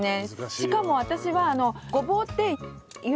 しかも私は。